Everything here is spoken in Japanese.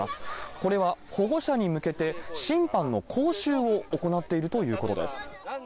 これは保護者に向けて、審判の講習を行っているということです。